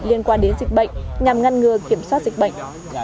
liên quan đến dịch bệnh nhằm ngăn ngừa kiểm soát dịch bệnh